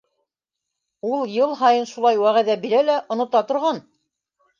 Ул йыл һайын шулай вәғәҙә бирә лә онота торған...